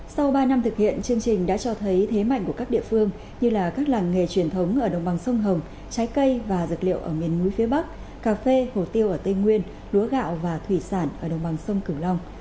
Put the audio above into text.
sau ba năm thực hiện chương trình đã cho thấy thế mạnh của các địa phương như là các làng nghề truyền thống ở đồng bằng sông hồng trái cây và dược liệu ở miền núi phía bắc cà phê hồ tiêu ở tây nguyên lúa gạo và thủy sản ở đồng bằng sông cửu long